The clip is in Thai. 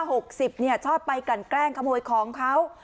หกสิบเนี่ยชอบไปกันแกล้งขโมยของเขา